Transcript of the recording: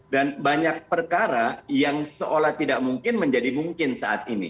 dan banyak perkara yang seolah tidak mungkin menjadi mungkin saat ini